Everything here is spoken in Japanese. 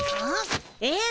えっ？